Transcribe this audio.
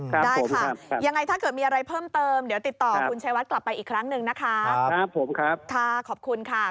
ได้ค่ะยังไงถ้าเกิดมีอะไรเพิ่มเติมเดี๋ยวติดต่อคุณชายวัดกลับไปอีกครั้งหนึ่งนะคะครับผมครับค่ะขอบคุณค่ะ